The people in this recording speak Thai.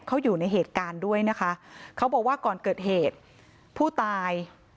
เขาอยู่ในเหตุการณ์ด้วยนะคะเขาบอกว่าก่อนเกิดเหตุผู้ตาย